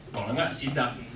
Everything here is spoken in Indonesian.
kalau enggak sidak